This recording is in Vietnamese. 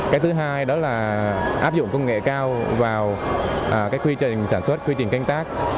cái thứ hai đó là áp dụng công nghệ cao vào cái quy trình sản xuất quy trình canh tác